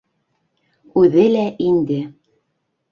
Үҙе лә инде...